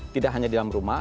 tidak hanya di dalam rumah